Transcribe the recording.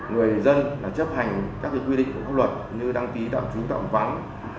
người dân là chấp hành các quy định pháp luật như đăng ký tạm trú tạm vắng